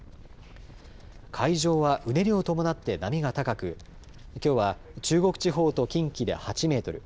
海上は、うねりを伴って波が高くきょうは中国地方と近畿で８メートル